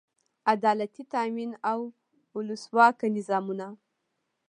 عدالتي تامین او اولسواکه نظامونه.